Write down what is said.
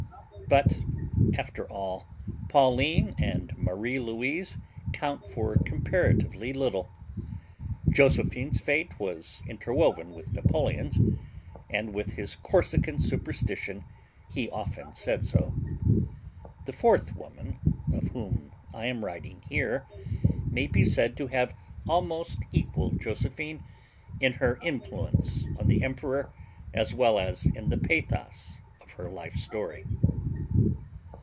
But, after all, Pauline and Marie Louise count for comparatively little. Josephine's fate was interwoven with Napoleon's; and, with his Corsican superstition, he often said so. The fourth woman, of whom I am writing here, may be said to have almost equaled Josephine in her influence on the emperor as well as in the pathos of her life story.